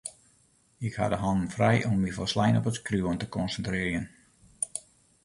Ik ha de hannen frij om my folslein op it skriuwen te konsintrearjen.